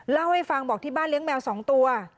เล่าให้ฟังบอกที่บ้านเลี้ยงแมว๒ตัว